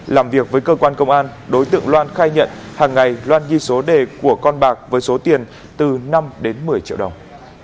làm việc với cơ quan công an đối tượng loan khai nhận hàng ngày loan ghi số đề của con bạc với số tiền từ năm đến một mươi triệu đồng